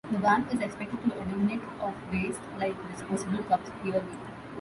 The ban is expected to eliminate of waste like disposable cups yearly.